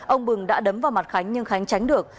ông bừng đã đấm vào mặt khánh nhưng khánh tránh được